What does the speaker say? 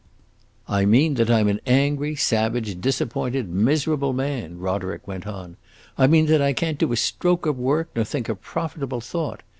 "I mean that I 'm an angry, savage, disappointed, miserable man!" Roderick went on. "I mean that I can't do a stroke of work nor think a profitable thought!